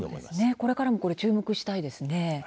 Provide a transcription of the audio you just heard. これからも注目したいですね。